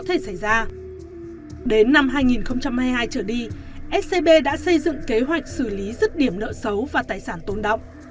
đến năm hai nghìn hai mươi hai trở đi scb đã xây dựng kế hoạch xử lý rứt điểm nợ xấu và tài sản tôn động